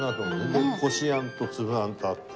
でこしあんと粒あんとあって。